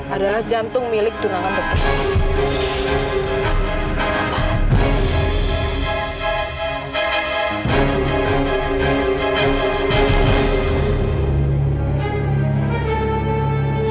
adalah jantung milik tunangan dokter tersebut